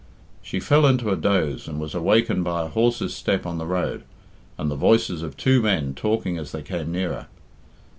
She fell into a doze, and was awakened by a horse's step on the road, and the voices of two men talking as they came nearer.